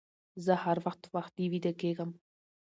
زه هر وخت وختي ويده کيږم